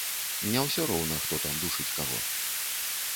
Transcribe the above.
Не ўсё роўна, хто там душыць каго!